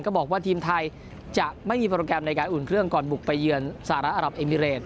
บอกว่าทีมไทยจะไม่มีโปรแกรมในการอุ่นเครื่องก่อนบุกไปเยือนสหรัฐอรับเอมิเรน